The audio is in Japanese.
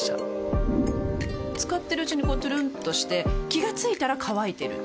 使ってるうちにこうトゥルンとして気が付いたら乾いてる